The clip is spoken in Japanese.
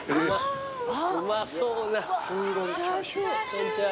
・こんにちは！